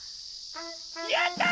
やった！